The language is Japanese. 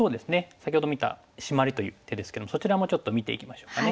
先ほど見たシマリという手ですけどもそちらもちょっと見ていきましょうかね。